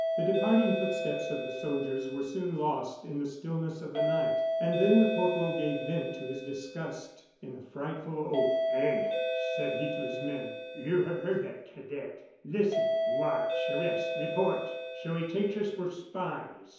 The departing footsteps of the soldiers were soon lost in the stillness of the night, and then the corporal gave vent to his disgust in a frightful oath. "Hein!" said he, to his men, "you have heard that cadet. Listen, watch, arrest, report. So he takes us for spies!